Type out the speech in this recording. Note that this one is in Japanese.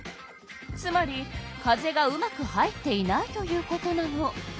つまり風がうまく入っていないということなの。